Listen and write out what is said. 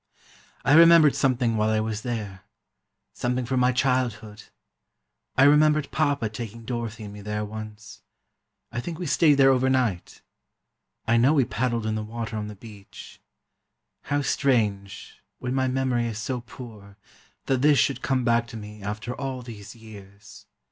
"I remembered something while I was there: something from my childhood: I remembered Papa taking Dorothy and me there, once; I think we stayed there overnight. I know we paddled in the water on the beach. How strange, when my memory is so poor, that this should come back to me, after all these years.